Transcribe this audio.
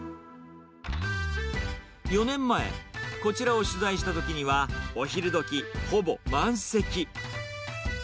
４年前、こちらを取材したときには、お昼どき、ほぼ満席。